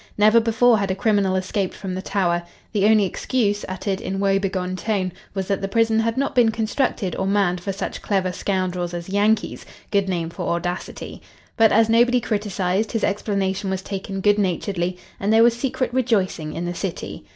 Never before had a criminal escaped from the Tower. The only excuse, uttered in woebegone tone, was that the prison had not been constructed or manned for such clever scoundrels as Yankees good name for audacity. But as nobody criticised, his explanation was taken good naturedly and there was secret rejoicing in the city.